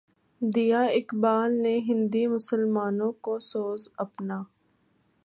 دیا اقبالؔ نے ہندی مسلمانوں کو سوز اپنا